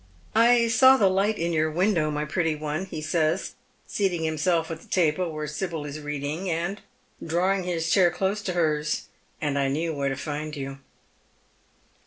" I saw the light in your window, my pretty one," he says, Beating himself at the table where Sibyl is reading, and drawing his chair close to hers, " and I knew where to find you."